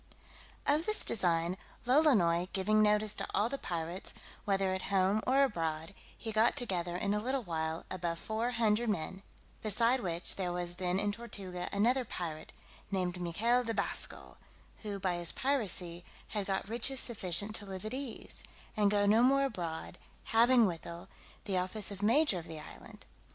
_ OF this design Lolonois giving notice to all the pirates, whether at home or abroad, he got together, in a little while, above four hundred men; beside which, there was then in Tortuga another pirate, named Michael de Basco, who, by his piracy, had got riches sufficient to live at ease, and go no more abroad; having, withal, the office of major of the island.